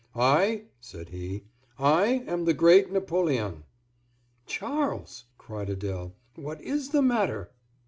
"I!" said he; "I am the Great Napoleon!" "Charles!" cried Adèle, "what is the matter?"